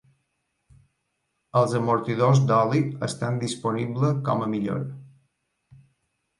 Els amortidors d'oli estan disponible com a millora.